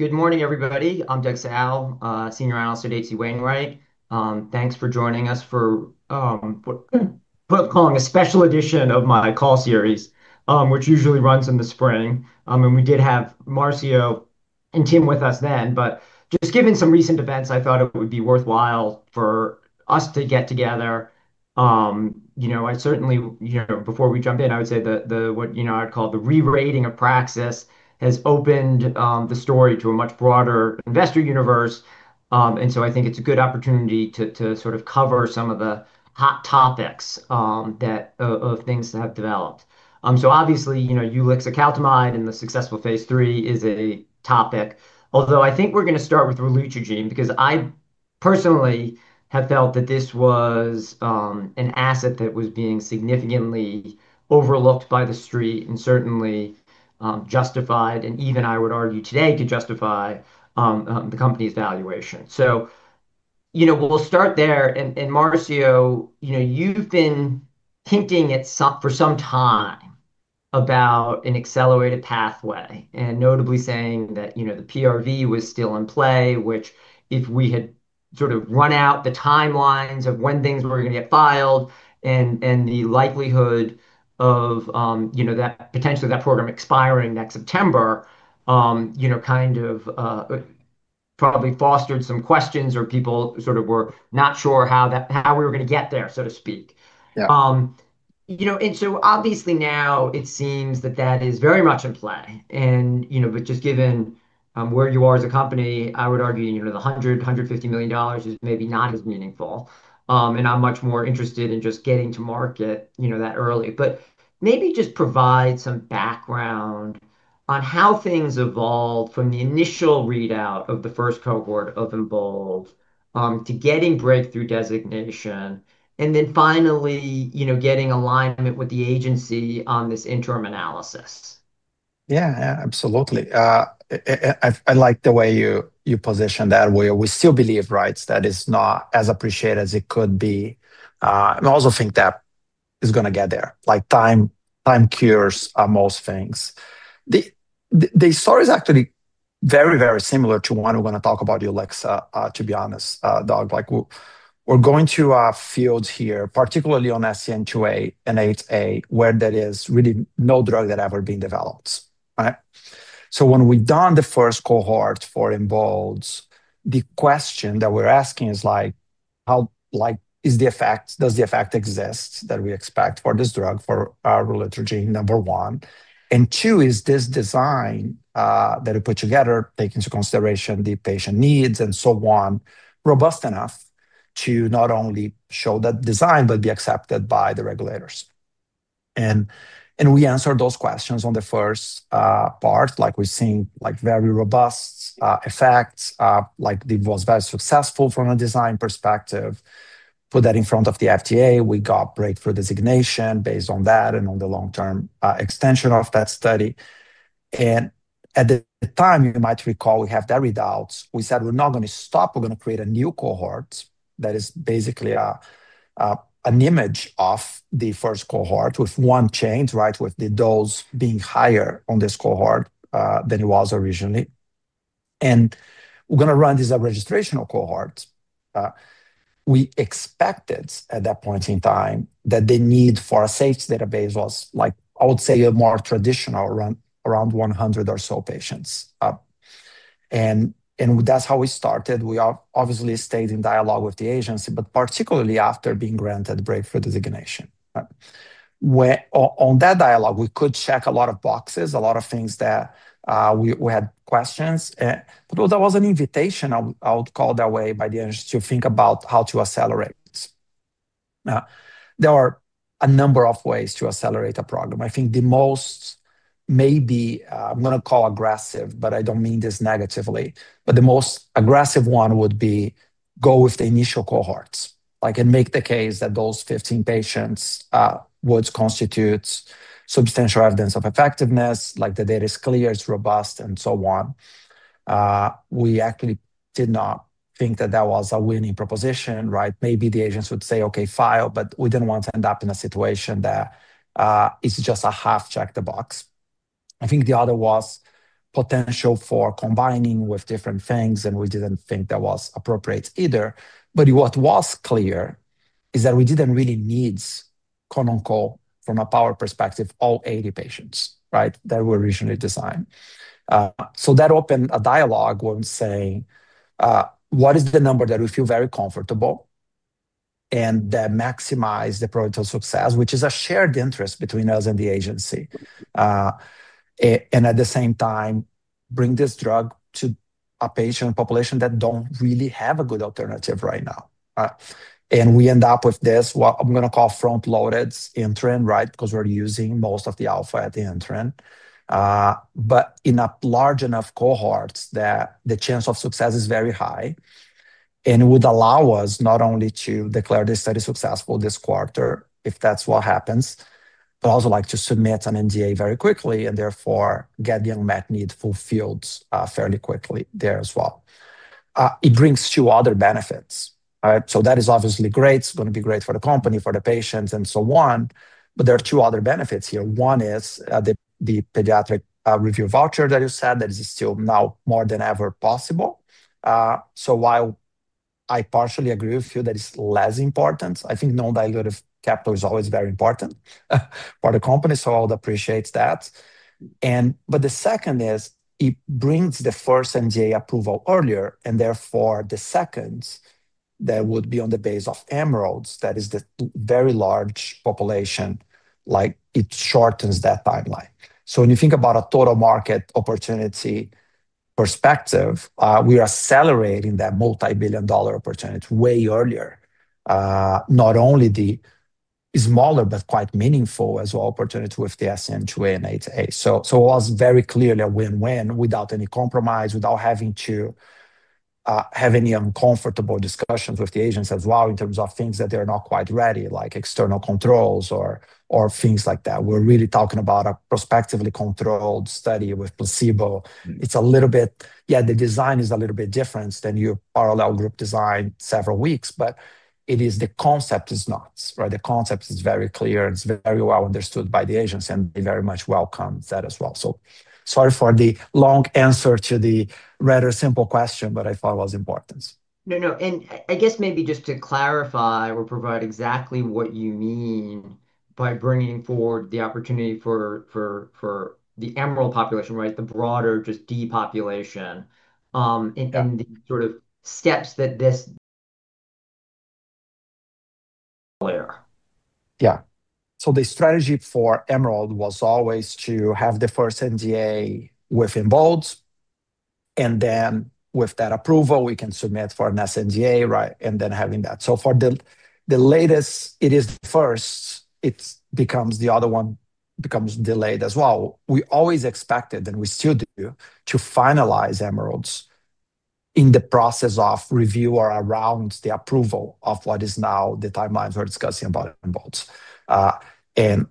Good morning, everybody. I'm Doug Tsao, Senior Analyst at H.C. Wainwright. Thanks for joining us for -- what I'm calling a special edition of my call series, which usually runs in the spring. We did have Marcio and Tim with us then. Just given some recent events, I thought it would be worthwhile for us to get together. You know, I certainly, you know, before we jump in, I would say that the, what you know, I'd call the re-rating of Praxis has opened the story to a much broader investor universe. I think it's a good opportunity to sort of cover some of the hot topics that have developed. Obviously, you know, Ulixacaltamide and the successful phase III is a topic, although I think we're going to start with Relutrigine because I personally have felt that this was an asset that was being significantly overlooked by the street and certainly justified, and even I would argue today could justify the company's valuation. You know, we'll start there. Marcio, you know, you've been hinting at for some time about an accelerated pathway, and notably saying that, you know, the PRV was still in play, which if we had sort of run out the timelines of when things were going to get filed and the likelihood of, you know, that potentially that program expiring next September, you know, kind of probably fostered some questions or people sort of were not sure how that how we were going to get there, so to speak. Yeah. You know, and so obviously now it seems that that is very much in play. And, you know, but just given where you are as a company, I would argue you know the $100 million-$150 million is maybe not as meaningful. And I'm much more interested in just getting to market, you know, that early. But maybe just provide some background on how things evolved from the initial readout of the first cohort of EMBOLD to getting Breakthrough Therapy Designation, and then finally, you know, getting alignment with the agency on this interim analysis. Yeah, absolutely. I like the way you position that, where we still believe, right, that it's not as appreciated as it could be. I also think that is going to get there. Like time cures most things. The story is actually very, very similar to one we're going to talk about, Ulixa, to be honest, Doug. Like we're going to fields here, particularly on SCN2A and SCN8A, where there is really no drug that has ever been developed. Right? When we've done the first cohort for EMBOLD, the question that we're asking is like, how, like, is the effect, does the effect exist that we expect for this drug, for Relutrigine number one? Two, is this design that we put together, taking into consideration the patient needs and so on, robust enough to not only show that design, but be accepted by the regulators? We answered those questions on the first part, like we've seen like very robust effects, like it was very successful from a design perspective. We put that in front of the FDA, we got Breakthrough Designation based on that and on the long-term extension of that study. At the time, you might recall we have the readouts. We said we're not going to stop, we're going to create a new cohort that is basically an image of the first cohort with one change, right, with the dose being higher on this cohort than it was originally. We're going to run these registrational cohorts. We expected at that point in time that the need for a safety database was like, I would say a more traditional run around 100 or so patients. That's how we started. We obviously stayed in dialogue with the agency, but particularly after being granted Breakthrough Designation. On that dialogue, we could check a lot of boxes, a lot of things that we had questions. But there was an invitation, I would call it that way, by the agency to think about how to accelerate this. There are a number of ways to accelerate a program. I think the most maybe, I'm going to call aggressive, but I don't mean this negatively, but the most aggressive one would be go with the initial cohorts, like and make the case that those 15 patients would constitute substantial evidence of effectiveness, like the data is clear, it's robust, and so on. We actually did not think that that was a winning proposition, right? Maybe the agents would say, okay, file, but we did not want to end up in a situation that is just a half check the box. I think the other was potential for combining with different things, and we did not think that was appropriate either. What was clear is that we did not really need, quote unquote, from a power perspective, all 80 patients, right, that were originally designed. That opened a dialogue when saying, what is the number that we feel very comfortable and that maximizes the protocol success, which is a shared interest between us and the agency. At the same time, bring this drug to a patient population that does not really have a good alternative right now. We end up with this, what I am going to call front-loaded interim, right, because we are using most of the alpha at the interim. In a large enough cohort that the chance of success is very high. It would allow us not only to declare this study successful this quarter, if that's what happens, but also to submit an NDA very quickly and therefore get the unmet need fulfilled fairly quickly there as well. It brings two other benefits. That is obviously great. It's going to be great for the company, for the patients, and so on. There are two other benefits here. One is the Pediatric Review Voucher that you said is still now more than ever possible. While I partially agree with you that it's less important, I think non-dilutive capital is always very important for the company, so I'll appreciate that. The second is it brings the first NDA approval earlier, and therefore the second that would be on the base of EMERALD, that is the very large population, like it shortens that timeline. When you think about a total market opportunity perspective, we are accelerating that multi-billion dollar opportunity way earlier. Not only the Yeah. So the strategy for EMERALD was always to have the first NDA within EMBOLD. And then with that approval, we can submit for an sNDA, right? And then having that. For the latest, it is the first, it becomes the other one becomes delayed as well. We always expected and we still do to finalize EMERALDs in the process of review or around the approval of what is now the timelines we're discussing about in EMBOLD.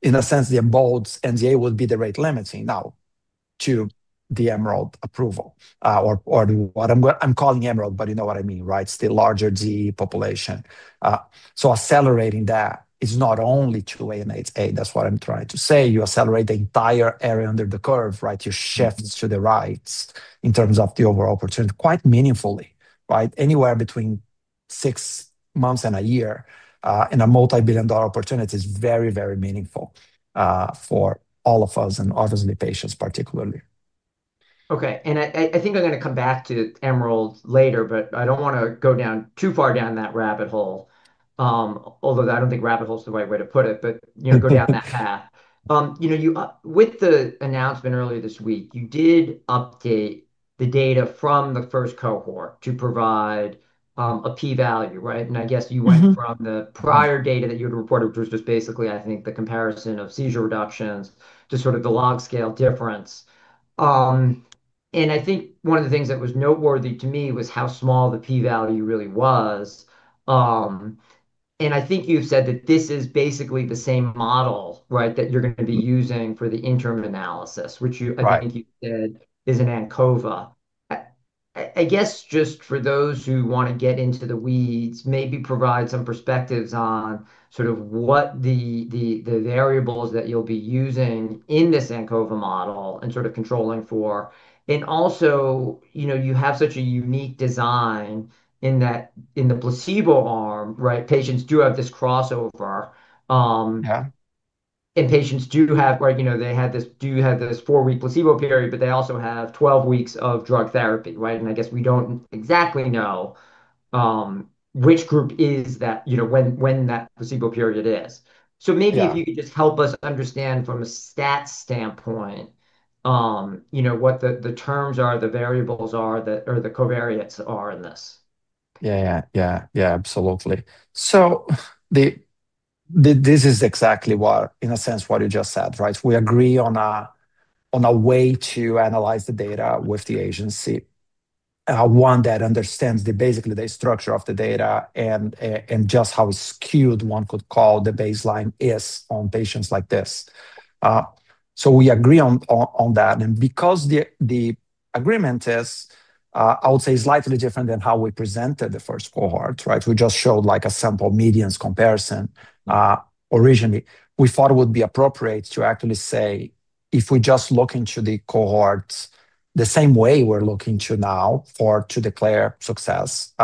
In a sense, the EMBOLD NDA would be the rate limiting now to the EMERALD approval or what I'm calling EMERALD, but you know what I mean, right? It's the larger DEE population. Accelerating that is not only 2A and 8A, that's what I'm trying to say. You accelerate the entire area under the curve, right? You shift to the rights in terms of the overall opportunity quite meaningfully, right? Anywhere between six months and a year in a multi-billion dollar opportunity is very, very meaningful for all of us and obviously patients particularly. Okay. And I think I'm going to come back to EMERALD later, but I don't want to go too far down that rabbit hole, although I don't think rabbit hole is the right way to put it, but you know, go down that path. You know, with the announcement earlier this week, you did update the data from the first cohort to provide a P value, right? And I guess you went from the prior data that you had reported, which was just basically, I think the comparison of seizure reductions to sort of the log scale difference. And I think one of the things that was noteworthy to me was how small the P value really was. And I think you've said that this is basically the same model, right, that you're going to be using for the interim analysis, which I think you said is an ANCOVA. I guess just for those who want to get into the weeds, maybe provide some perspectives on sort of what the variables that you'll be using in this ANCOVA model and sort of controlling for. Also, you know, you have such a unique design in that in the placebo arm, right? Patients do have this crossover. Yeah. Patients do have, right, you know, they had this, do have this four-week placebo period, but they also have 12 weeks of drug therapy, right? I guess we do not exactly know which group is that, you know, when that placebo period is. Maybe if you could just help us understand from a stats standpoint, you know, what the terms are, the variables are that or the covariates are in this. Yeah, absolutely. This is exactly what, in a sense, what you just said, right? We agree on a way to analyze the data with the agency, one that understands basically the structure of the data and just how skewed one could call the baseline is on patients like this. We agree on that. Because the agreement is, I would say, slightly different than how we presented the first cohort, right? We just showed like a sample medians comparison originally. We thought it would be appropriate to actually say, if we just look into the cohorts the same way we're looking to now for to declare success,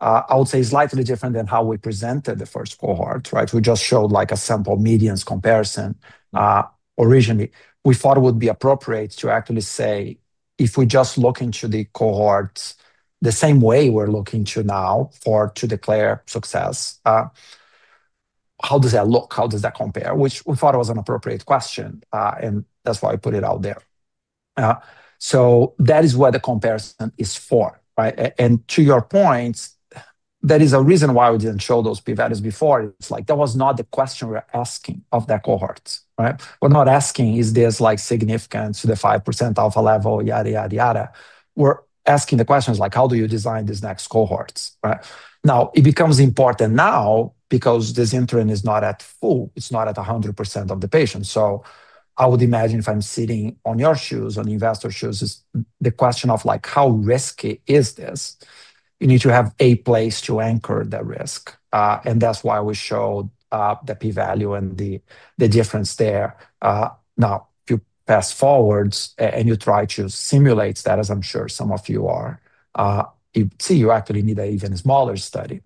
how does that look? How does that compare? Which we thought was an appropriate question. That is what the comparison is for, right? To your point, that is a reason why we did not show those p-values before. It is like that was not the question we are asking of that cohort, right? We are not asking, is this like significant to the 5% alpha level, yada, yada, yada. We are asking the questions like, how do you design these next cohorts, right? Now, it becomes important now because this interim is not at full, it is not at 100% of the patients. I would imagine if I am sitting on your shoes, on the investor's shoes, it is the question of like, how risky is this? You need to have a place to anchor the risk. That is why we showed the p-value and the difference there. If you fast forward and you try to simulate status, I am sure some of you are, you see, you actually need an even smaller study.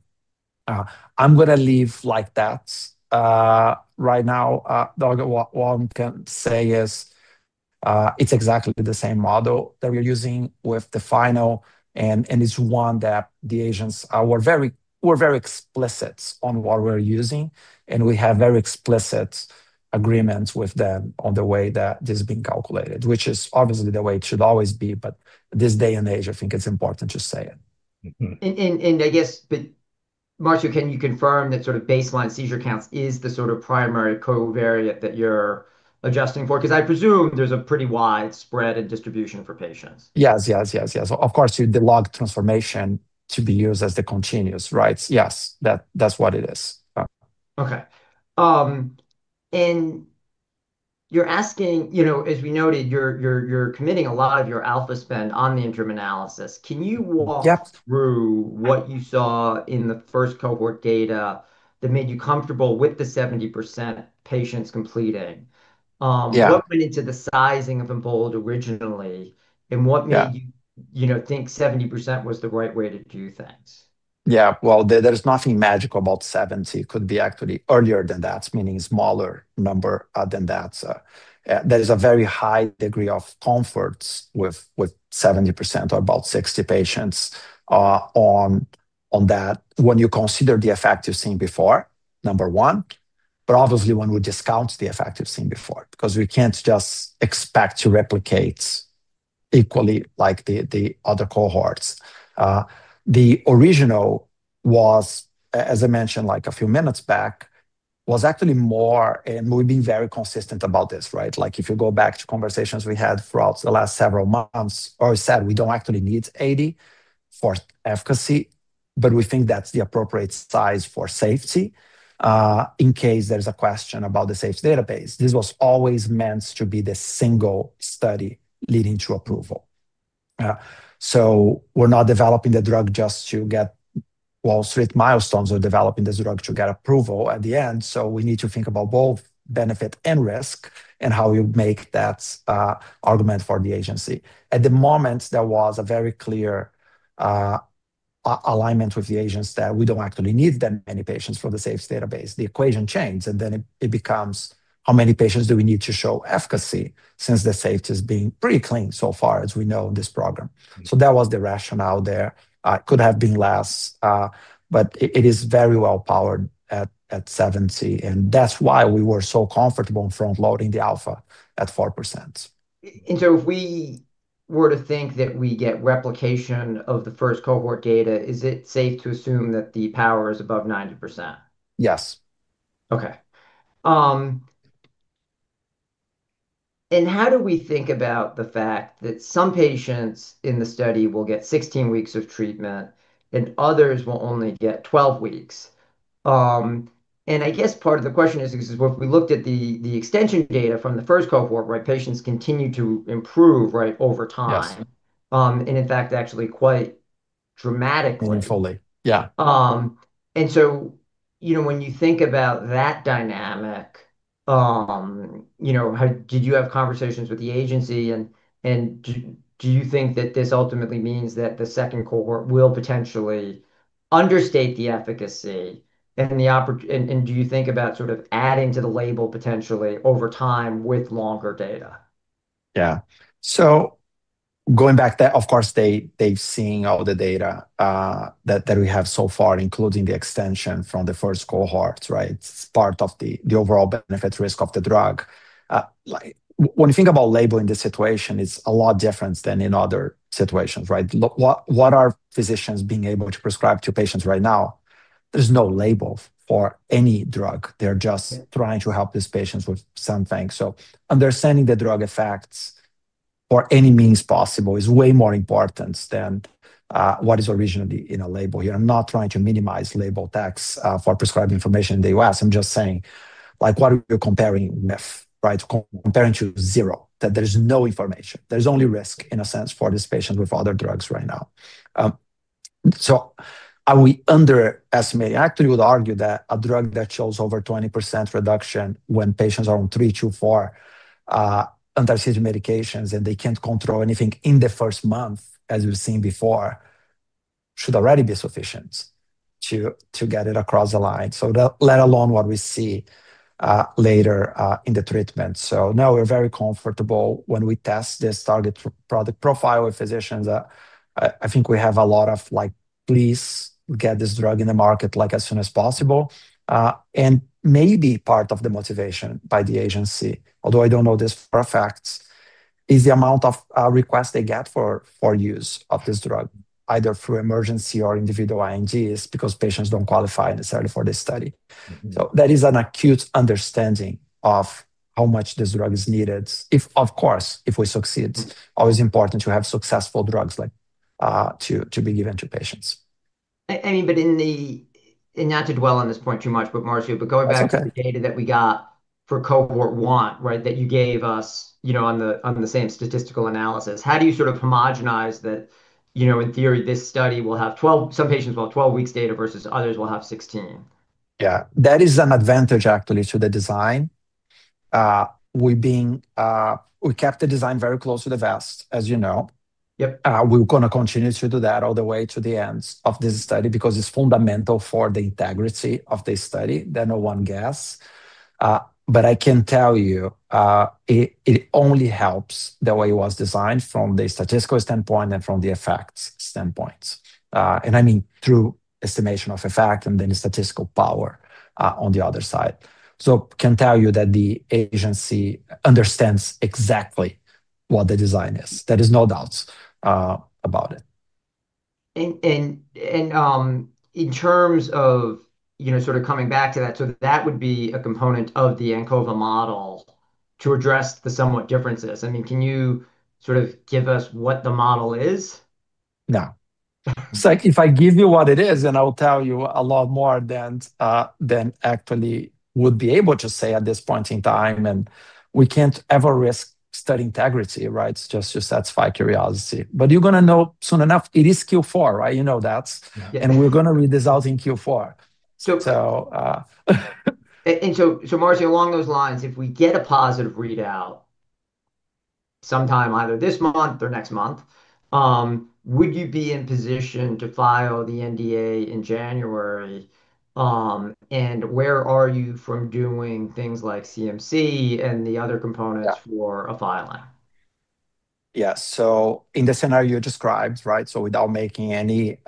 I'm going to leave it like that right now. What one can say is it's exactly the same model that we're using with the final. It's one that the agents, we're very explicit on what we're using. We have very explicit agreements with them on the way that this is being calculated, which is obviously the way it should always be. This day and age, I think it's important to say it. Marcio, can you confirm that sort of baseline seizure counts is the sort of primary covariate that you're adjusting for? Because I presume there's a pretty wide spread and distribution for patients. Yes, yes, of course, you'd want the log transformation to be used as the continuous, right? Yes, that's what it is. Okay. You're asking, you know, as we noted, you're committing a lot of your alpha spend on the interim analysis. Can you walk through what you saw in the first cohort data that made you comfortable with the 70% patients completing? What went into the sizing of EMBOLD originally? What made you think 70% was the right way to do things? Yeah, there's nothing magical about 70%. It could be actually earlier than that, meaning a smaller number than that. There is a very high degree of comfort with 70% or about 60% patients on that when you consider the effective thing before, number one. Obviously, when we discount the effective thing before, because we can't just expect to replicate equally like the other cohorts. The original was, as I mentioned a few minutes back, actually more, and we've been very consistent about this, right? If you go back to conversations we had throughout the last several months, we said we don't actually need 80% for efficacy, but we think that's the appropriate size for safety in case there's a question about the safety database. This was always meant to be the single study leading to approval. We're not developing the drug just to get Wall Street milestones or developing this drug to get approval at the end. We need to think about both benefit and risk and how you make that argument for the agency. At the moment, there was a very clear alignment with the agents that we do not actually need that many patients for the safety database. The equation changed. It becomes how many patients do we need to show efficacy since the safety has been pretty clean so far as we know in this program. That was the rationale there. It could have been less, but it is very well powered at 70%. That's why we were so comfortable in front-loading the alpha at 4%. If we were to think that we get replication of the first cohort data, is it safe to assume that the power is above 90%? Yes. Okay. How do we think about the fact that some patients in the study will get 16 weeks of treatment and others will only get 12 weeks? I guess part of the question is, because if we looked at the extension data from the first cohort, right, patients continue to improve, right, over time. In fact, actually quite dramatically. Fully, yeah. You know, when you think about that dynamic, you know, did you have conversations with the agency? Do you think that this ultimately means that the second cohort will potentially understate the efficacy? Do you think about sort of adding to the label potentially over time with longer data? Yeah. So going back, of course, they've seen all the data that we have so far, including the extension from the first cohort, right? It's part of the overall benefit risk of the drug. When you think about labeling the situation, it's a lot different than in other situations, right? What are physicians being able to prescribe to patients right now? There's no label for any drug. They're just trying to help these patients with something. So understanding the drug effects or any means possible is way more important than what is originally in a label here. I'm not trying to minimize label tax for prescribing information in the U.S. I'm just saying, like, what are you comparing with, right? Comparing to zero, that there's no information. There's only risk in a sense for this patient with other drugs right now. Are we underestimating? I actually would argue that a drug that shows over 20% reduction when patients are on three, two, four anti-seizure medications and they cannot control anything in the first month, as we have seen before, should already be sufficient to get it across the line. Let alone what we see later in the treatment. Now we are very comfortable when we test this target product profile with physicians. I think we have a lot of, like, please get this drug in the market as soon as possible. Maybe part of the motivation by the agency, although I do not know this for a fact, is the amount of requests they get for use of this drug, either through emergency or individual INDs because patients do not qualify necessarily for this study. That is an acute understanding of how much this drug is needed. Of course, if we succeed, always important to have successful drugs like to be given to patients. I mean, but in the, and not to dwell on this point too much, but Marcio, but going back to the data that we got for cohort 1, right, that you gave us, you know, on the same statistical analysis, how do you sort of homogenize that, you know, in theory, this study will have 12, some patients will have 12 weeks data versus others will have 16? Yeah, that is an advantage actually to the design. We kept the design very close to the vest, as you know. We're going to continue to do that all the way to the end of this study because it's fundamental for the integrity of this study that no one guessed. I can tell you, it only helps the way it was designed from the statistical standpoint and from the effects standpoints. I mean through estimation of effect and then statistical power on the other side. I can tell you that the agency understands exactly what the design is. There is no doubt about it. In terms of, you know, sort of coming back to that, that would be a component of the ANCOVA model to address the somewhat differences. I mean, can you sort of give us what the model is? No. If I give you what it is, then I'll tell you a lot more than I actually would be able to say at this point in time. We can't ever risk study integrity, right? It's just to satisfy curiosity. You're going to know soon enough. It is Q4, right? You know that. We're going to read this out in Q4. Marcio, along those lines, if we get a positive readout sometime either this month or next month, would you be in position to file the NDA in January? And where are you from doing things like CMC and the other components for a filing? Yeah. In the scenario you described, right? Without making any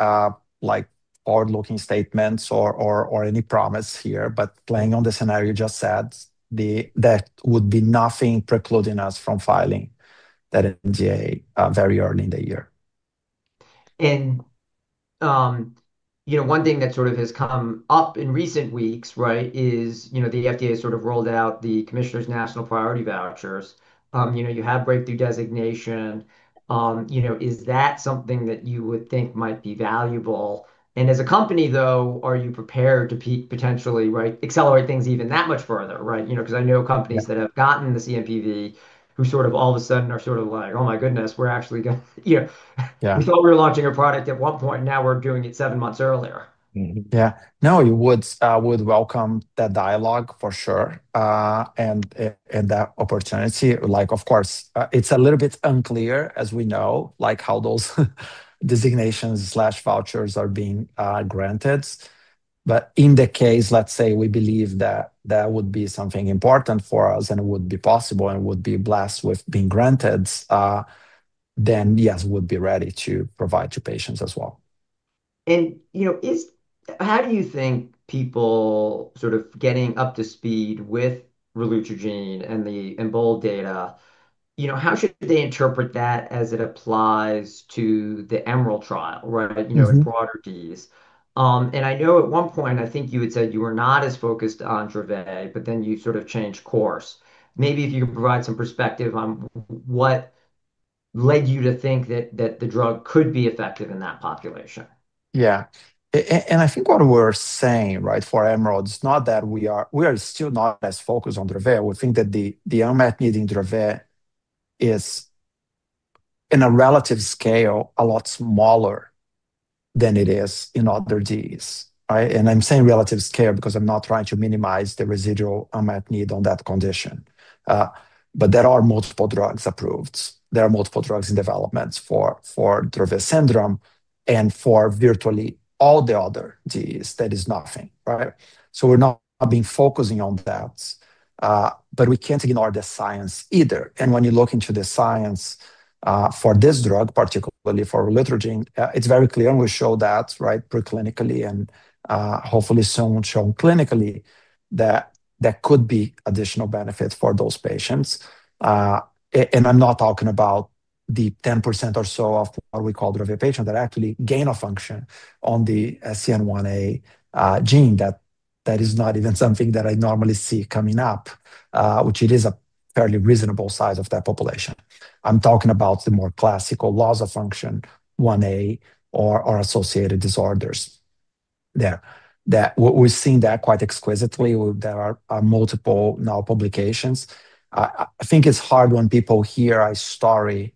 like hard looking statements or any promise here, but playing on the scenario you just said, that would be nothing precluding us from filing that NDA very early in the year. You know, one thing that sort of has come up in recent weeks, right, is, you know, the FDA has sort of rolled out the Commissioner's National Priority Vouchers. You know, you have Breakthrough Designation. You know, is that something that you would think might be valuable? As a company, though, are you prepared to potentially, right, accelerate things even that much further, right? You know, because I know companies that have gotten the CNPV who sort of all of a sudden are sort of like, oh my goodness, we're actually going to, you know, we thought we were launching a product at one point, and now we're doing it seven months earlier. Yeah. No, you would welcome that dialogue for sure. That opportunity, like, of course, it's a little bit unclear, as we know, like how those designations/vouchers are being granted. In the case, let's say we believe that that would be something important for us and it would be possible and it would be blessed with being granted, then yes, we would be ready to provide to patients as well. You know, how do you think people sort of getting up to speed with Relutrigine and the EMERALD data, you know, how should they interpret that as it applies to the EMERALD trial, right? You know, in broader DEEs. I know at one point, I think you had said you were not as focused on Dravet, but then you sort of changed course. Maybe if you could provide some perspective on what led you to think that the drug could be effective in that population. Yeah. I think what we're saying, right, for EMERALD, it's not that we are still not as focused on Dravet. We think that the amount needing Dravet is, in a relative scale, a lot smaller than it is in other DEEs. Right? I'm saying relative scale because I'm not trying to minimize the residual amount need on that condition. There are multiple drugs approved. There are multiple drugs in development for Dravet syndrome and for virtually all the other DEEs, there is nothing, right? We're not focusing on that. We can't ignore the science either. When you look into the science for this drug, particularly for Relutrigine, it's very clear and we show that, right, preclinically and hopefully soon shown clinically that there could be additional benefits for those patients. I'm not talking about the 10% or so of what we call Dravet patients that actually gain a function on the SCN1A gene. That is not even something that I normally see coming up, which is a fairly reasonable size of that population. I'm talking about the more classical loss of function 1A or associated disorders there. We've seen that quite exquisitely. There are multiple now publications. I think it's hard when people hear a story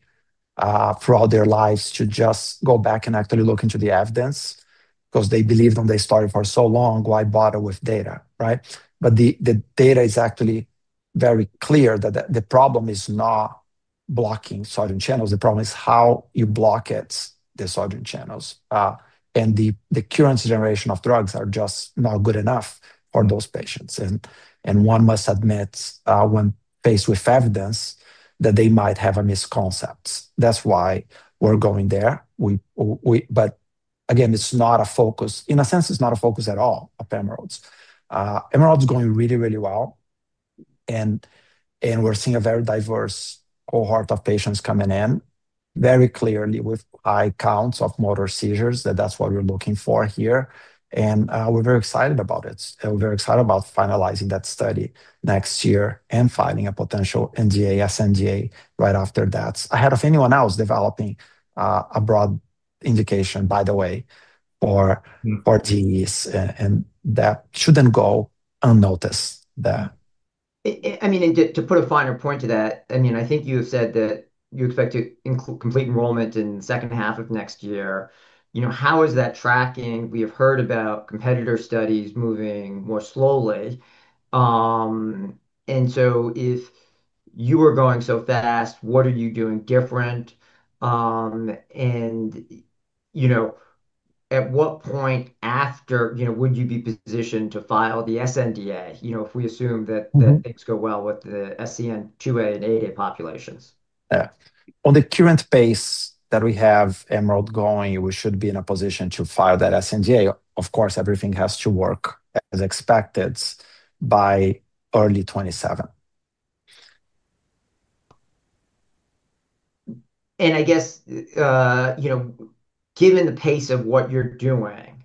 throughout their lives to just go back and actually look into the evidence because they believed on their story for so long. Why bother with data, right? The data is actually very clear that the problem is not blocking sodium channels. The problem is how you block it, the sodium channels. The current generation of drugs are just not good enough for those patients. One must admit when faced with evidence that they might have a misconcept. That is why we are going there. Again, it is not a focus. In a sense, it is not a focus at all of EMERALD. EMERALD is going really, really well. We are seeing a very diverse cohort of patients coming in, very clearly with high counts of motor seizures, that is what we are looking for here. We are very excited about it. We are very excited about finalizing that study next year and filing a potential NDA, sNDA right after that, ahead of anyone else developing a broad indication, by the way, for DEEs. That should not go unnoticed there. I mean, to put a finer point to that, I mean, I think you have said that you expect to complete enrollment in the second half of next year. You know, how is that tracking? We have heard about competitor studies moving more slowly. If you were going so fast, what are you doing different? You know, at what point after, you know, would you be positioned to file the sNDA, you know, if we assume that things go well with the SCN2A and 8A populations? Yeah. On the current pace that we have EMERALD going, we should be in a position to file that sNDA. Of course, everything has to work as expected by early 2027. I guess, you know, given the pace of what you're doing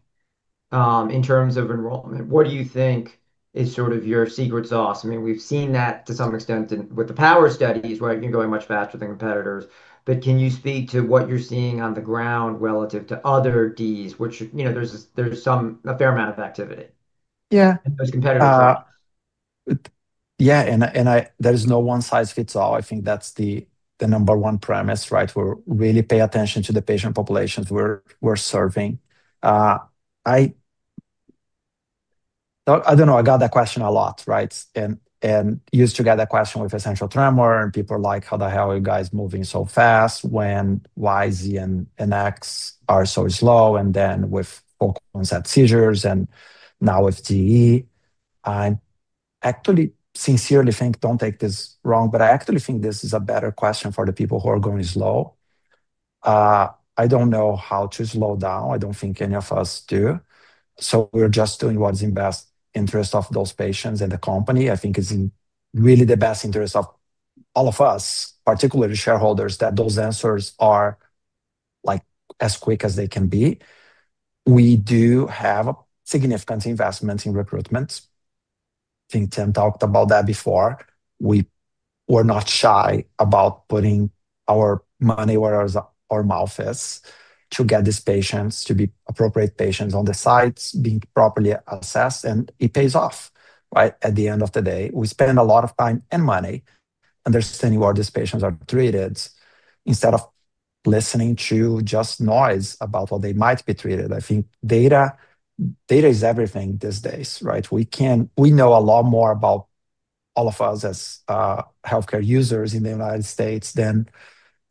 in terms of enrollment, what do you think is sort of your secret sauce? I mean, we've seen that to some extent with the power studies, right? You're going much faster than competitors. Can you speak to what you're seeing on the ground relative to other DEEs, which, you know, there's a fair amount of activity? Yeah. Those competitors are. Yeah. There is no one size fits all. I think that's the number one premise, right? We really pay attention to the patient populations we're serving. I don't know. I got that question a lot, right? I used to get that question with essential tremor and people are like, how the hell are you guys moving so fast when YZ and X are so slow? Then with focal onset seizures and now with GE. I actually sincerely think, don't take this wrong, but I actually think this is a better question for the people who are going slow. I don't know how to slow down. I don't think any of us do. We're just doing what's in the best interest of those patients and the company. I think it's really the best interest of all of us, particularly shareholders, that those answers are like as quick as they can be. We do have a significant investment in recruitment. I think Tim talked about that before. We were not shy about putting our money where our mouth is to get these patients to be appropriate patients on the sites, being properly assessed. It pays off, right? At the end of the day, we spend a lot of time and money understanding where these patients are treated instead of listening to just noise about what they might be treated. I think data is everything these days, right? We know a lot more about all of us as healthcare users in the United States than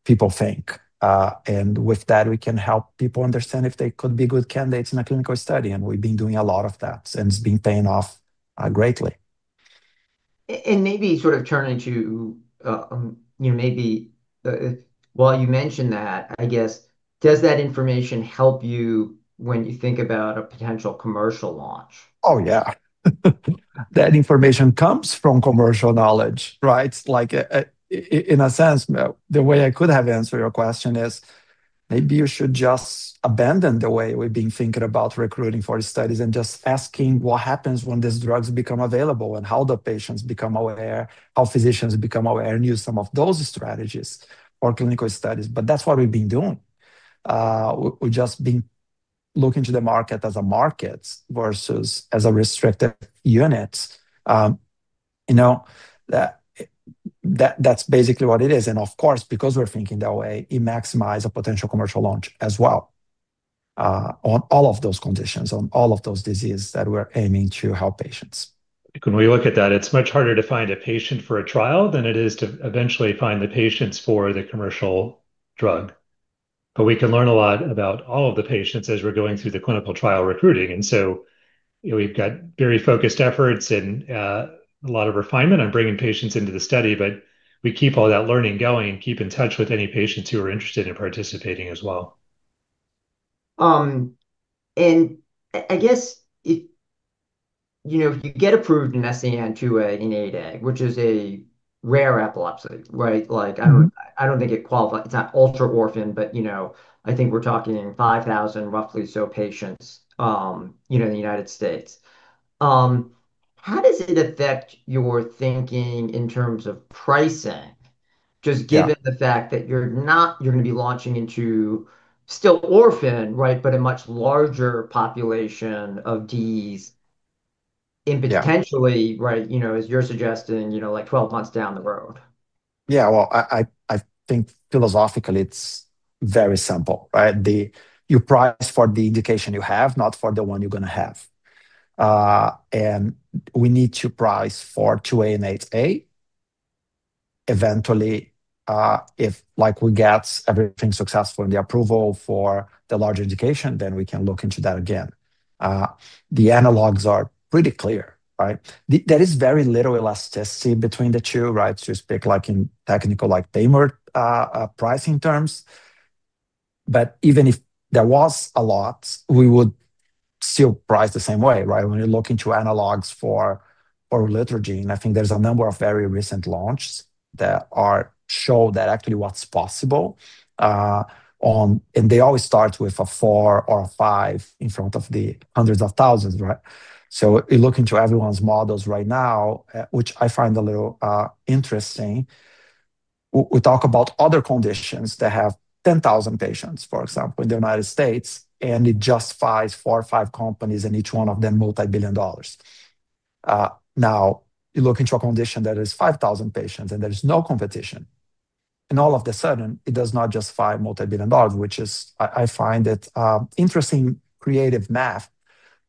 people think. With that, we can help people understand if they could be good candidates in a clinical study. We have been doing a lot of that. It has been paying off greatly. Maybe sort of turn into, you know, maybe while you mentioned that, I guess, does that information help you when you think about a potential commercial launch? Oh, yeah. That information comes from commercial knowledge, right? Like in a sense, the way I could have answered your question is maybe you should just abandon the way we've been thinking about recruiting for these studies and just asking what happens when these drugs become available and how the patients become aware, how physicians become aware and use some of those strategies or clinical studies. That is what we've been doing. We've just been looking to the market as a market versus as a restricted unit. You know, that is basically what it is. Of course, because we're thinking that way, it maximizes a potential commercial launch as well on all of those conditions, on all of those diseases that we're aiming to help patients. When we look at that, it's much harder to find a patient for a trial than it is to eventually find the patients for the commercial drug. But we can learn a lot about all of the patients as we're going through the clinical trial recruiting. And so we've got very focused efforts and a lot of refinement on bringing patients into the study. But we keep all that learning going and keep in touch with any patients who are interested in participating as well. And I guess, you know, if you get approved in SCN2A and SCN8A, which is a rare epilepsy, right? Like I don't think it qualifies. It's not ultra orphan, but you know, I think we're talking 5,000 roughly so patients, you know, in the United States. How does it affect your thinking in terms of pricing, just given the fact that you're not, you're going to be launching into still orphan, right, but a much larger population of DEEs in potentially, right, you know, as you're suggesting, you know, like 12 months down the road? Yeah. I think philosophically it's very simple, right? You price for the indication you have, not for the one you're going to have. We need to price for 2A and 8A. Eventually, if like we get everything successful in the approval for the larger indication, then we can look into that again. The analogs are pretty clear, right? There is very little elasticity between the two, right? To speak like in technical, like payment pricing terms. Even if there was a lot, we would still price the same way, right? When you look into analogs for Relutrigine, I think there's a number of very recent launches that show that actually what's possible. They always start with a four or a five in front of the hundreds of thousands, right? You look into everyone's models right now, which I find a little interesting. We talk about other conditions that have 10,000 patients, for example, in the United States, and it justifies four or five companies and each one of them multi-billion dollars. Now, you look into a condition that is 5,000 patients and there's no competition. All of a sudden, it does not justify multi-billion dollars, which is, I find it interesting, creative math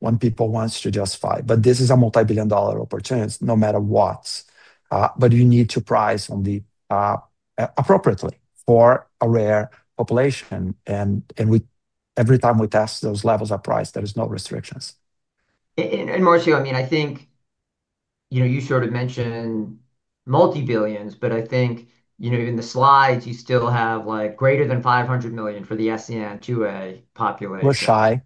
when people want to justify. This is a multi-billion dollar opportunity no matter what. You need to price on the appropriately for a rare population. Every time we test those levels of price, there are no restrictions. I mean, I think, you know, you sort of mentioned multi-billions, but I think, you know, in the slides, you still have like greater than $500 million for the SCN2A population. We're shy.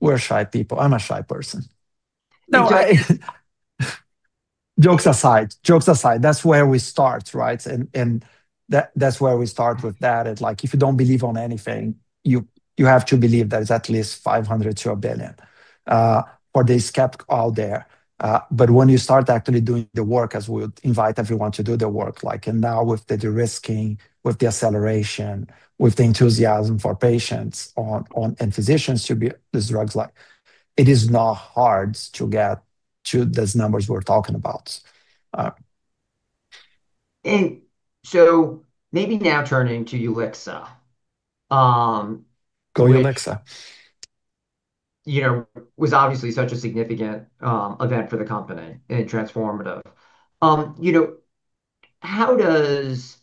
We're shy people. I'm a shy person. Jokes aside, that's where we start, right? That's where we start with that. It's like if you don't believe on anything, you have to believe that it's at least $500 million to $1 billion for the skeptics out there. When you start actually doing the work, as we invite everyone to do the work, like now with the risking, with the acceleration, with the enthusiasm for patients and physicians to be these drugs, it is not hard to get to those numbers we're talking about. Maybe now turning to Ulixa. Go Ulixa. You know, was obviously such a significant event for the company and transformative. You know, how does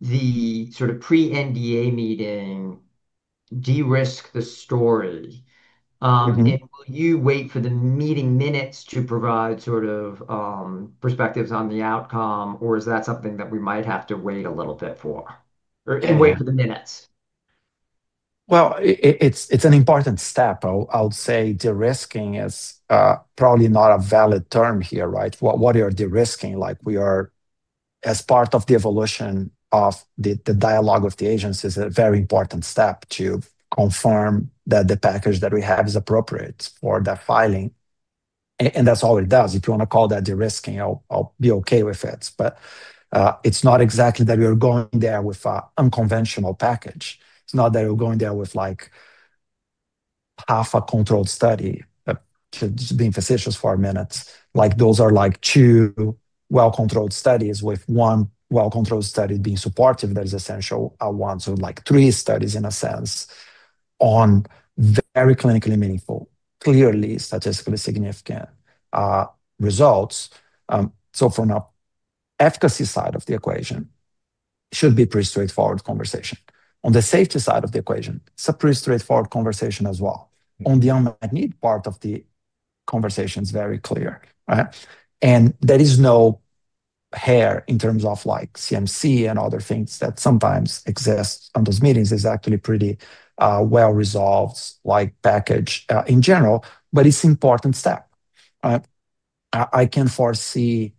the sort of pre-NDA meeting de-risk the story? Will you wait for the meeting minutes to provide sort of perspectives on the outcome, or is that something that we might have to wait a little bit for and wait for the minutes? It's an important step. I'll say de-risking is probably not a valid term here, right? What are de-risking? Like we are, as part of the evolution of the dialogue with the agencies, a very important step to confirm that the package that we have is appropriate for that filing. And that's all it does. If you want to call that de-risking, I'll be okay with it. But it's not exactly that we are going there with an unconventional package. It's not that we're going there with like half a controlled study to be in physicians for a minute. Like those are like two well-controlled studies with one well-controlled study being supportive that is essential. I want to like three studies in a sense on very clinically meaningful, clearly statistically significant results. From an efficacy side of the equation, it should be a pretty straightforward conversation. On the safety side of the equation, it's a pretty straightforward conversation as well. On the unmet need part of the conversation, it's very clear, right? There is no hair in terms of like CMC and other things that sometimes exist on those meetings. It's actually pretty well resolved, like package in general, but it's an important step, right? I can foresee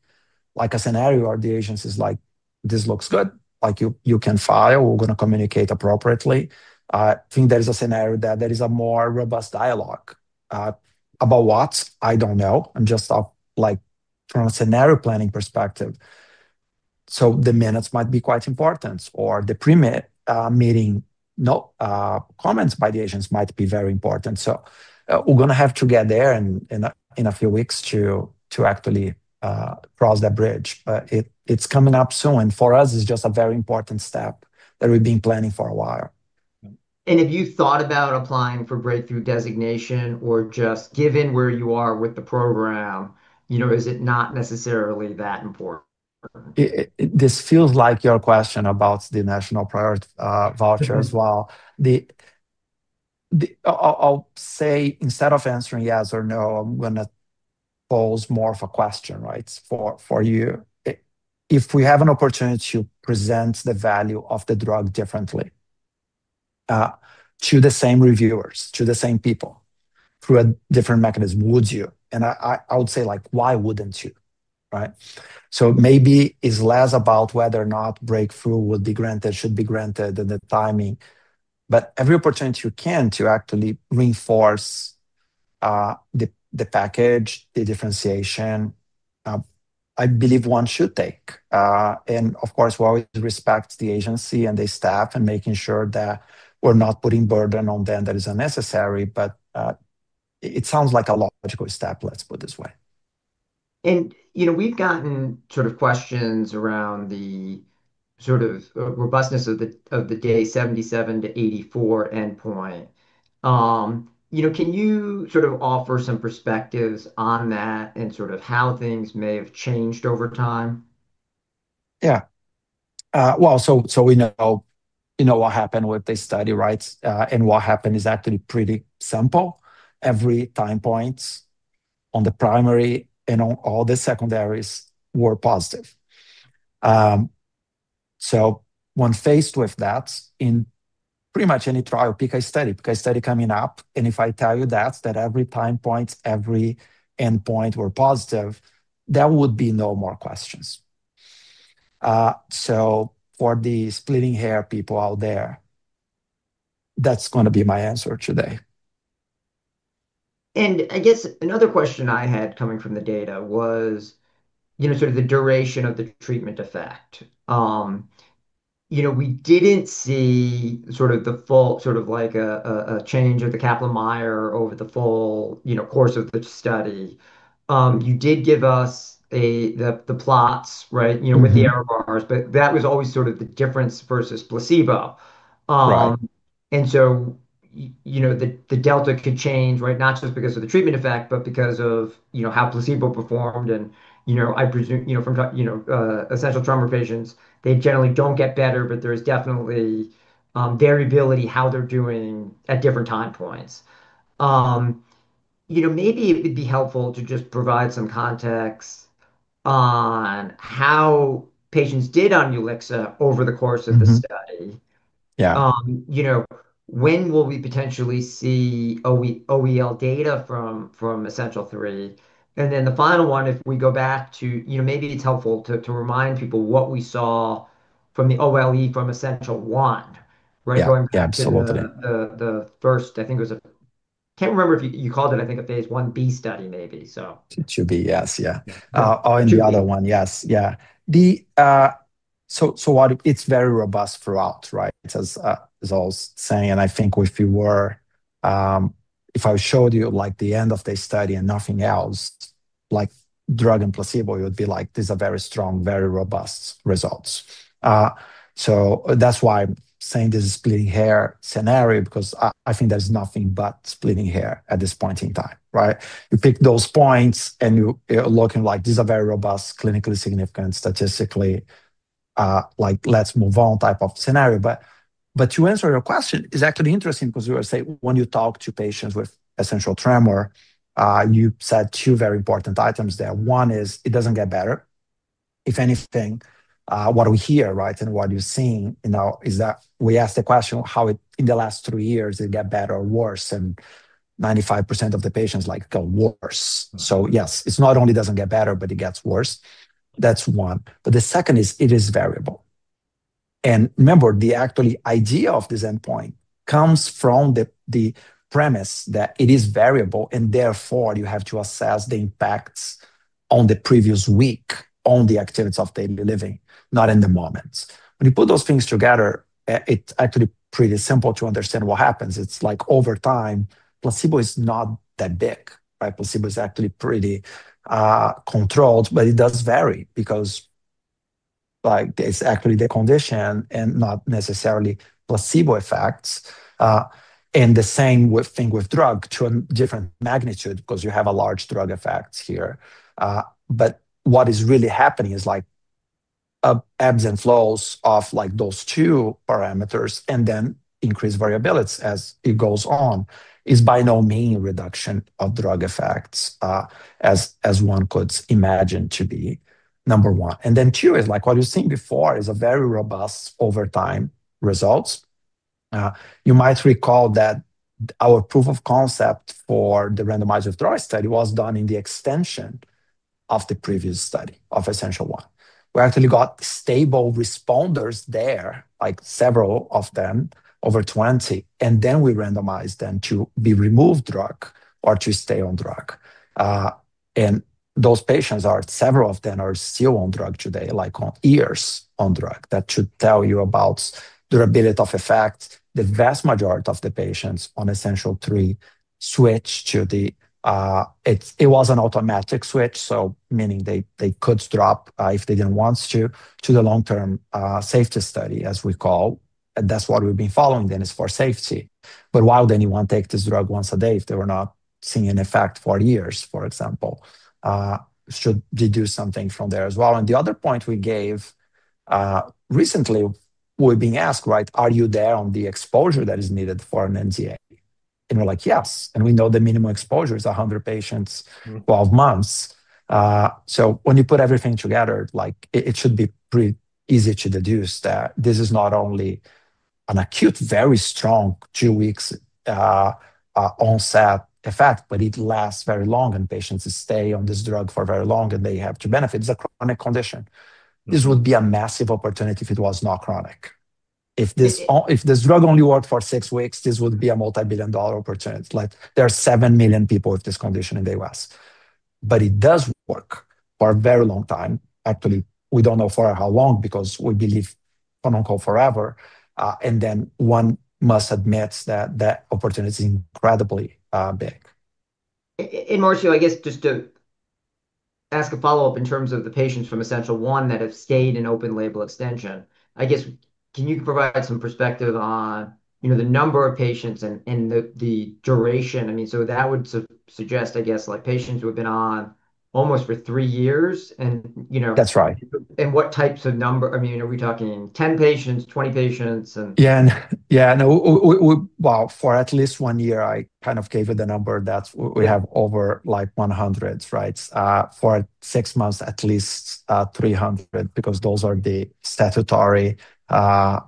like a scenario where the agency is like, this looks good. Like you can file. We're going to communicate appropriately. I think there is a scenario that there is a more robust dialogue about what. I don't know. I'm just like from a scenario planning perspective. The minutes might be quite important or the pre-meeting comments by the agents might be very important. We're going to have to get there in a few weeks to actually cross that bridge. It's coming up soon. For us, it's just a very important step that we've been planning for a while. Have you thought about applying for Breakthrough Designation or just given where you are with the program, you know, is it not necessarily that important? This feels like your question about the National Priority Voucher as well. I'll say instead of answering yes or no, I'm going to pose more of a question, right, for you. If we have an opportunity to present the value of the drug differently to the same reviewers, to the same people through a different mechanism, would you? I would say like, why wouldn't you, right? Maybe it's less about whether or not breakthrough would be granted, should be granted than the timing. Every opportunity you can to actually reinforce the package, the differentiation, I believe one should take. Of course, we always respect the agency and the staff and making sure that we're not putting burden on them that is unnecessary. It sounds like a logical step, let's put it this way. You know, we've gotten sort of questions around the sort of robustness of the day 77 to 84 endpoint. You know, can you sort of offer some perspectives on that and sort of how things may have changed over time? Yeah. We know what happened with the study, right? What happened is actually pretty simple. Every time point on the primary and on all the secondaries were positive. When faced with that in pretty much any trial or Pica study, Pica study coming up, and if I tell you that every time point, every endpoint were positive, there would be no more questions. For the splitting hair people out there, that's going to be my answer today. I guess another question I had coming from the data was, you know, sort of the duration of the treatment effect. You know, we did not see sort of the full sort of like a change of the Kaplan-Meier over the full, you know, course of the study. You did give us the plots, right? You know, with the error bars, but that was always sort of the difference versus placebo. You know, the delta could change, right? Not just because of the treatment effect, but because of, you know, how placebo performed. I presume, you know, from, you know, Essential Tremor patients, they generally do not get better, but there is definitely variability how they are doing at different time points. You know, maybe it would be helpful to just provide some context on how patients did on Ulixa over the course of the study. You know, when will we potentially see OLE data from ESSENTIAL3? And then the final one, if we go back to, you know, maybe it's helpful to remind people what we saw from the OLE from ESSENTIAL1, right? Yeah, absolutely. The first, I think it was a, can't remember if you called it, I think a phase 1b study maybe, so. 2b, yes, yeah. Or the other one, yes, yeah. It is very robust throughout, right? As I was saying, and I think if you were, if I showed you like the end of the study and nothing else, like drug and placebo, it would be like, these are very strong, very robust results. That is why I am saying this is a splitting hair scenario because I think there is nothing but splitting hair at this point in time, right? You pick those points and you are looking like, these are very robust, clinically significant, statistically, like let's move on type of scenario. To answer your question, it is actually interesting because you were saying when you talk to patients with Essential Tremor, you said two very important items there. One is it does not get better. If anything, what we hear, right, and what you're seeing now is that we asked the question how it in the last three years, it got better or worse. And 95% of the patients like go worse. Yes, it not only doesn't get better, but it gets worse. That's one. The second is it is variable. Remember, the actual idea of this endpoint comes from the premise that it is variable and therefore you have to assess the impacts on the previous week on the activities of daily living, not in the moments. When you put those things together, it's actually pretty simple to understand what happens. It's like over time, placebo is not that big, right? Placebo is actually pretty controlled, but it does vary because like it's actually the condition and not necessarily placebo effects. The same thing with drug to a different magnitude because you have a large drug effect here. What is really happening is like ebbs and flows of like those two parameters and then increased variability as it goes on is by no means a reduction of drug effects as one could imagine to be number one. Two is like what you've seen before is a very robust over time results. You might recall that our proof of concept for the randomized withdrawal study was done in the extension of the previous study of ESSENTIAL1. We actually got stable responders there, like several of them, over 20. We randomized them to be removed drug or to stay on drug. Those patients, several of them are still on drug today, like on years on drug. That should tell you about durability of effect. The vast majority of the patients on ESSENTIAL3 switch to the, it was an automatic switch, so meaning they could drop if they didn't want to, to the long-term safety study as we call. That's what we've been following then is for safety. Why would anyone take this drug once a day if they were not seeing an effect for years, for example? Should they do something from there as well? The other point we gave recently, we've been asked, right, are you there on the exposure that is needed for an NDA? We're like, yes. We know the minimum exposure is 100 patients, 12 months. When you put everything together, like it should be pretty easy to deduce that this is not only an acute, very strong two weeks onset effect, but it lasts very long and patients stay on this drug for very long and they have two benefits. It's a chronic condition. This would be a massive opportunity if it was not chronic. If this drug only worked for six weeks, this would be a multi-billion dollar opportunity. Like there are 7 million people with this condition in the U.S. It does work for a very long time. Actually, we do not know for how long because we believe for forever. One must admit that that opportunity is incredibly big. Marcio, I guess just to ask a follow-up in terms of the patients from ESSENTIAL1 that have stayed in open label extension, I guess can you provide some perspective on, you know, the number of patients and the duration? I mean, that would suggest, I guess, like patients who have been on almost for three years and, you know. That's right. What types of number? I mean, are we talking 10 patients, 20 patients? Yeah, yeah. For at least one year, I kind of gave you the number that we have over like 100, right? For six months, at least 300 because those are the statutory.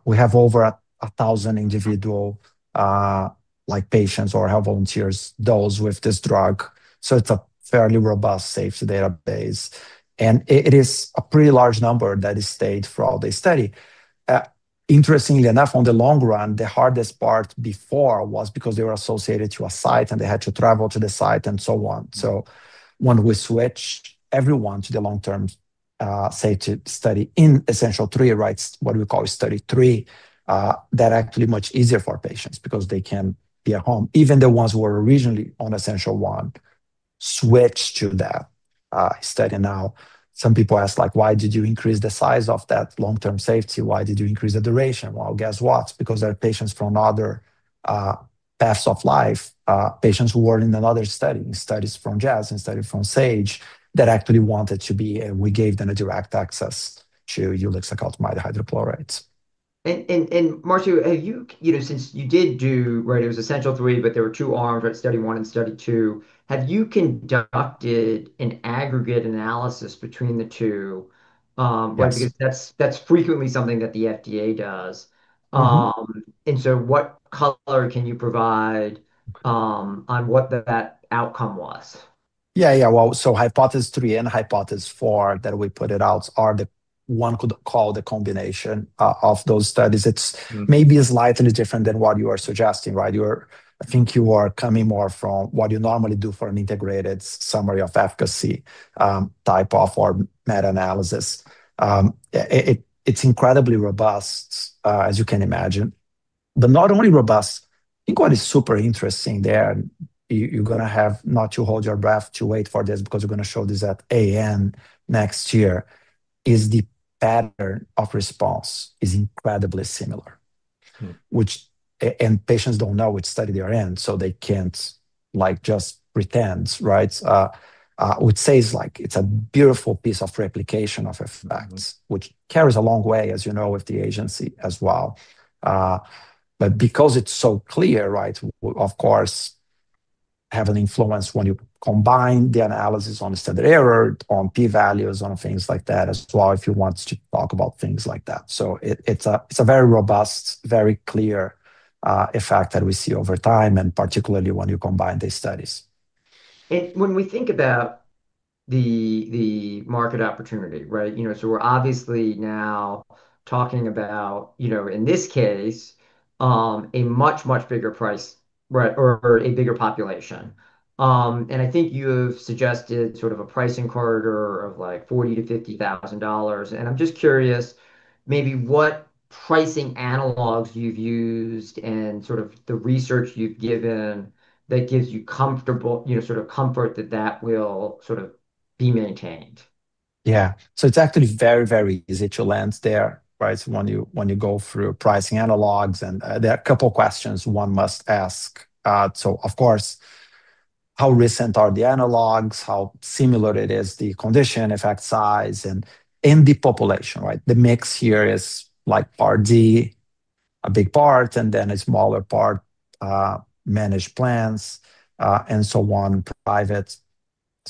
We have over 1,000 individual like patients or volunteers, those with this drug. It is a fairly robust safety database. It is a pretty large number that has stayed for all the study. Interestingly enough, on the long run, the hardest part before was because they were associated to a site and they had to travel to the site and so on. When we switch everyone to the long-term safety study in Essential3, right? What we call study 3, that is actually much easier for patients because they can be at home. Even the ones who were originally on ESSENTIAL1 switch to that study now. Some people ask like, why did you increase the size of that long-term safety? Why did you increase the duration? Guess what? Because there are patients from other paths of life, patients who were in another study, studies from Jazz and studies from Sage, that actually wanted to be, and we gave them direct access to Ulixacaltamide hydrochlorides. Marcio, have you, you know, since you did do, right, it was Essential3, but there were two arms, right? Study 1 and study 2. Have you conducted an aggregate analysis between the two? Because that's frequently something that the FDA does. What color can you provide on what that outcome was? Yeah, yeah. Hypothesis 3 and hypothesis 4 that we put out are the one could call the combination of those studies. It's maybe slightly different than what you are suggesting, right? I think you are coming more from what you normally do for an integrated summary of efficacy type of or meta-analysis. It's incredibly robust, as you can imagine. Not only robust, I think what is super interesting there, you're going to have not to hold your breath to wait for this because we're going to show this at AN next year, is the pattern of response is incredibly similar. Patients don't know which study they're in, so they can't like just pretend, right? I would say it's like it's a beautiful piece of replication of effects, which carries a long way, as you know, with the agency as well. Because it's so clear, right, of course, have an influence when you combine the analysis on the standard error, on P-values, on things like that as well, if you want to talk about things like that. So it's a very robust, very clear effect that we see over time and particularly when you combine these studies. When we think about the market opportunity, right? You know, so we're obviously now talking about, you know, in this case, a much, much bigger price, right, or a bigger population. I think you have suggested sort of a pricing corridor of $40,000-$50,000. I'm just curious, maybe what pricing analogs you've used and sort of the research you've given that gives you comfort, you know, sort of comfort that that will sort of be maintained. Yeah. So it's actually very, very easy to land there, right? When you go through pricing analogs and there are a couple of questions one must ask. Of course, how recent are the analogs, how similar it is, the condition, effect size, and the population, right? The mix here is like part D, a big part, and then a smaller part, managed plans and so on, private.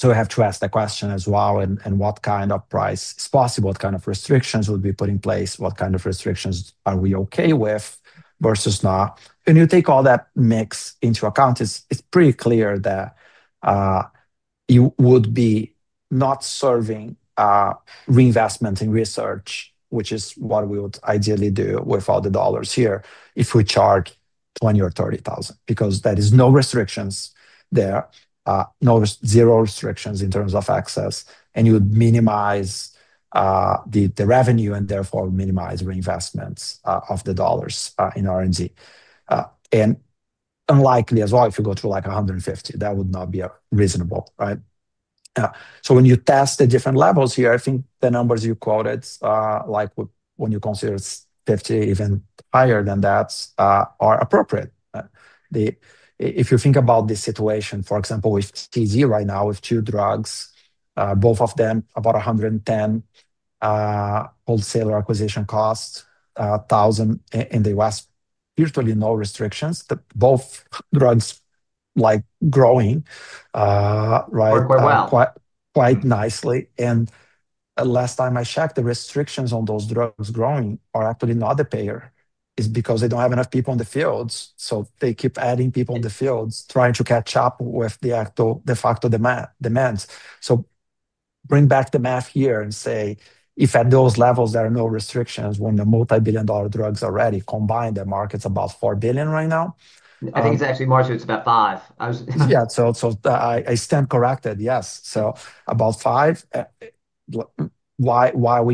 We have to ask the question as well, and what kind of price is possible, what kind of restrictions would be put in place, what kind of restrictions are we okay with versus not. When you take all that mix into account, it's pretty clear that you would be not serving reinvestment in research, which is what we would ideally do with all the dollars here if we charge $20,000 or $30,000, because there are no restrictions there, no zero restrictions in terms of access, and you would minimize the revenue and therefore minimize reinvestments of the dollars in R&D. Unlikely as well, if you go through like $150,000, that would not be reasonable, right? When you test the different levels here, I think the numbers you quoted, like when you consider $50,000, even higher than that, are appropriate. If you think about the situation, for example, with TZ right now, with two drugs, both of them about $110,000 wholesaler acquisition costs in the U.S., virtually no restrictions, both drugs like growing, right? Work quite well. Quite nicely. Last time I checked, the restrictions on those drugs growing are actually not the payer. It's because they don't have enough people in the fields. They keep adding people in the fields, trying to catch up with the actual demand. Bring back the math here and say, if at those levels there are no restrictions when the multi-billion dollar drugs are ready, combined, the market's about $4 billion right now. I think it's actually, Marcio, it's about five. Yeah, so I stand corrected, yes. So about five. Why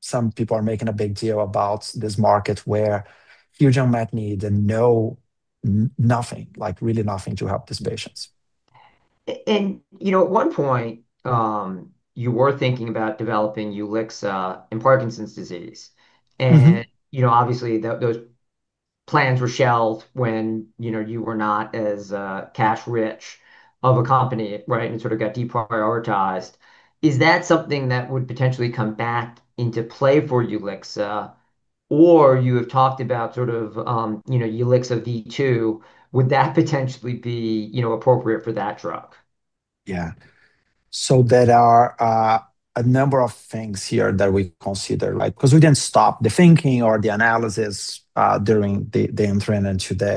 some people are making a big deal about this market where huge unmet need and no nothing, like really nothing to help these patients. You know, at one point, you were thinking about developing Ulixa in Parkinson's disease. You know, obviously, those plans were shelved when you were not as cash rich of a company, right? And sort of got deprioritized. Is that something that would potentially come back into play for Ulixa? Or you have talked about sort of UlixaV2, would that potentially be appropriate for that drug? Yeah. So there are a number of things here that we consider, right? Because we did not stop the thinking or the analysis during the entry into.